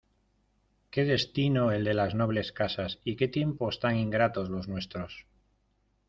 ¡ qué destino el de las nobles casas, y qué tiempos tan ingratos los nuestros!